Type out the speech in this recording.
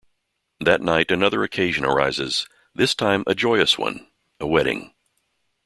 That night another occasion arises, this time a joyous one-a wedding.